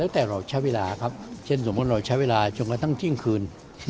แล้วแต่เราใช้เวลาครับเช่นสมมุติเราใช้เวลาจนกระทั่งเที่ยงคืน